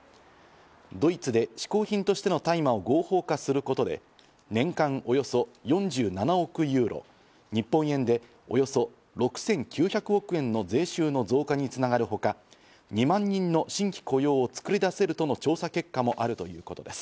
ドイツで嗜好品としての大麻を合法化することで、年間およそ４７億ユーロ、日本円でおよそ６９００億円の税収の増加につながるほか、２万人の新規雇用をつくり出せるとの調査結果もあるということです。